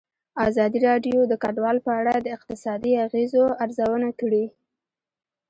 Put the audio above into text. ازادي راډیو د کډوال په اړه د اقتصادي اغېزو ارزونه کړې.